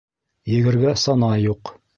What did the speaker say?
Егергә сана юҡ.